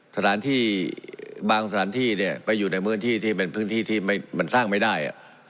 สถานที่บางสถานที่เนี่ยไปอยู่ในพื้นที่ที่เป็นพื้นที่ที่มันสร้างไม่ได้